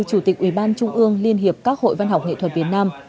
chủ tịch ubnd liên hiệp các hội văn học nghệ thuật việt nam